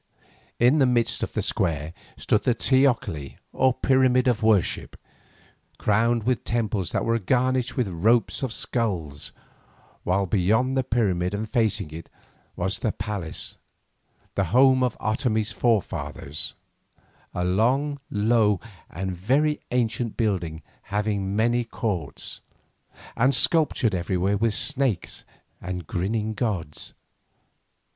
In the midst of the square stood the teocalli or pyramid of worship, crowned with temples that were garnished with ropes of skulls, while beyond the pyramid and facing it, was the palace, the home of Otomie's forefathers, a long, low, and very ancient building having many courts, and sculptured everywhere with snakes and grinning gods.